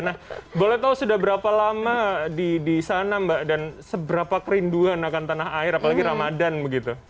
nah boleh tahu sudah berapa lama di sana mbak dan seberapa kerinduan akan tanah air apalagi ramadhan begitu